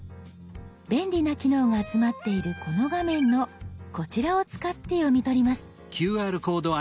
便利な機能が集まっているこの画面のこちらを使って読み取ります。